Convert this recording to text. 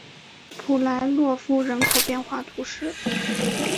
普莱洛夫人口变化图示